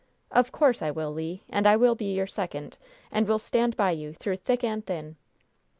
"Of course I will, Le! And I will be your second, and will stand by you, through thick and thin!